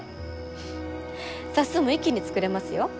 フッ冊数も一気に作れますよ。